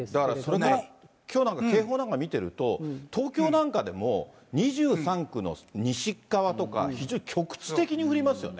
だから、それも、きょうなんか警報なんか見てると、東京なんかでも２３区の西っ側とか、非常に局地的に降りますよね。